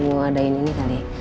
sudah lama gak ke sekolah